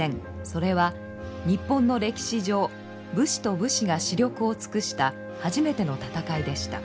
それは日本の歴史上武士と武士が死力を尽くした初めての戦いでした。